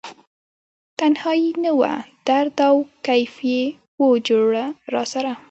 تنهایې نه وه درد او کیف یې و جوړه راسره